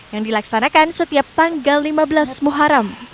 yang dilaksanakan setiap tanggal lima belas muharam